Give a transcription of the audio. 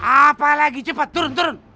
apalagi cepet turun turun